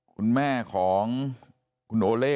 คุณแม่ของคุณโอเล่